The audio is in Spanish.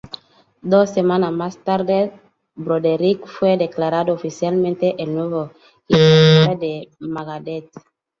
Dos semanas más tarde, Broderick fue declarado oficialmente el nuevo guitarrista de Megadeth.